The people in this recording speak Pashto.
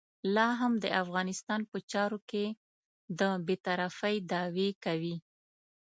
لا هم د افغانستان په چارو کې د بې طرفۍ دعوې کوي.